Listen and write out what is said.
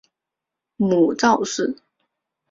母赵氏。